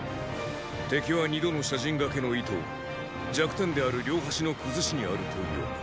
敵は二度の斜陣がけの意図を弱点である両端の崩しにあると読む。